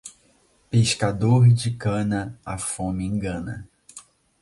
Pescador de cana, a fome engana.